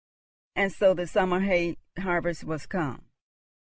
And so the summer's hay harvest was come.